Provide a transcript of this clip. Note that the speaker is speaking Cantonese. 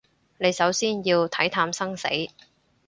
你首先要睇淡生死